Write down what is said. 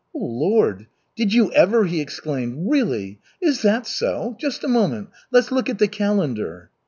"Oh, Lord! Did you ever!" he exclaimed. "Really? Is that so? Just a moment. Let's look at the calendar."